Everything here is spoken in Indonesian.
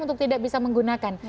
untuk tidak bisa menggunakan